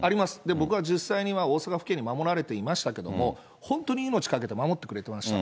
僕は実際に大阪府警に守られていましたけれども、本当に命懸けて守ってくれてました。